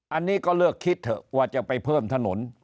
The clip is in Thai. อันนี้ก็เลือกคิดเถอะว่าจะไปเพิ่มถนน